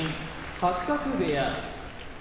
八角部屋